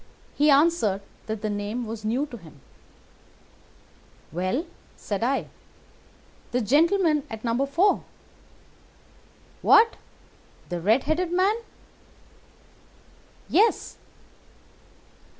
He answered that the name was new to him. "'Well,' said I, 'the gentleman at No. 4.' "'What, the red headed man?' "'Yes.